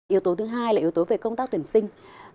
yếu tố thứ hai là yếu tố về công tác tuyển sinh